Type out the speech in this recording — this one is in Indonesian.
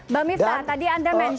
mbak miftah tadi anda mention